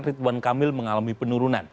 ridwan kamil mengalami penurunan